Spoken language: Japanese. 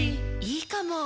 いいかも！